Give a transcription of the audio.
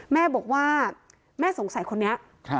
แม่บอกว่าแม่สงสัยคนนี้